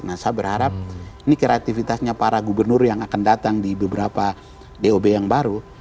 nah saya berharap ini kreativitasnya para gubernur yang akan datang di beberapa dob yang baru